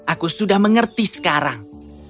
aku sudah mengerti sekarang